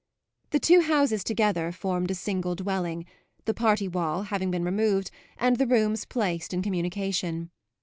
The two houses together formed a single dwelling, the party wall having been removed and the rooms placed in communication.